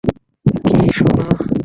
কী, সোনা?